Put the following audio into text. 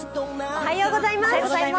おはようございます。